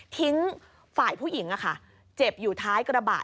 ฝ่ายผู้หญิงเจ็บอยู่ท้ายกระบะ